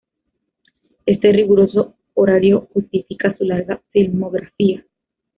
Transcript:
Este riguroso horario justifica su larga filmografía.